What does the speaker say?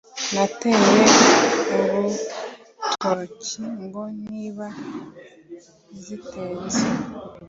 Nateye urutokiNgo niba zitetse